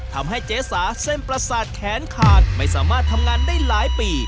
ทำให้เจ๊สาเส้นประสาทแขนขาดไม่สามารถทำงานได้หลายปี